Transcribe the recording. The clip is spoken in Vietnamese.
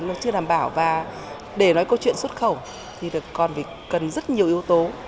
chất lượng chưa đảm bảo và để nói câu chuyện xuất khẩu thì còn cần rất nhiều yếu tố